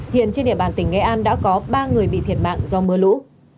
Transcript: hiện trên địa bàn tỉnh nghệ an đã có ba người bị thiệt mạng do mưa lũ